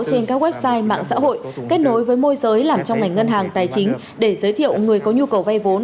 trên các website mạng xã hội kết nối với môi giới làm trong ngành ngân hàng tài chính để giới thiệu người có nhu cầu vay vốn